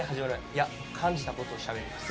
「いや感じた事をしゃべります。